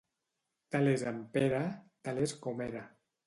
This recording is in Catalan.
Tal és en Pere, tal és com era.